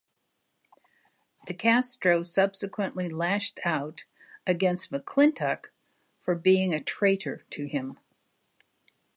De Castro subsequently lashed out against McClintock for being a "traitor" to him.